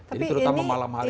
jadi terutama malam hari ini